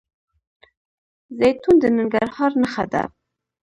زیتون د ننګرهار نښه ده.